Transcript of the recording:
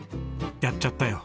やっちゃったよ。